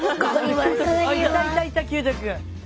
いたいたいた玖太君。